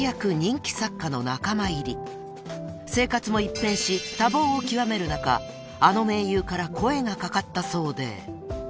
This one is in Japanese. ［生活も一変し多忙を極める中あの盟友から声が掛かったそうで］